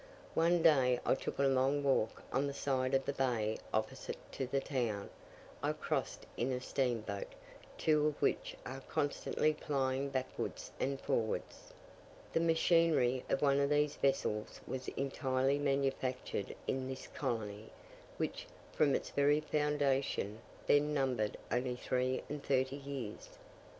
One day I took a long walk on the side of the bay opposite to the town: I crossed in a steam boat, two of which are constantly plying backwards and forwards. The machinery of one of these vessels was entirely manufactured in this colony, which, from its very foundation, then numbered only three and thirty years!